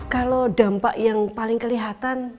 kalau dampak yang paling kelihatan